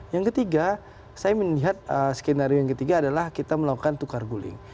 yang ketiga saya melihat skenario yang ketiga adalah kita melakukan tukar guling